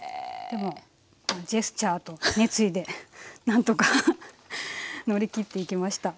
でもジェスチャーと熱意で何とか乗り切っていきました。